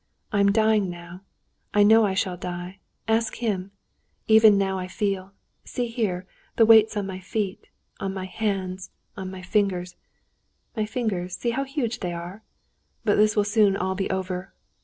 I'm dying now, I know I shall die, ask him. Even now I feel—see here, the weights on my feet, on my hands, on my fingers. My fingers—see how huge they are! But this will soon all be over....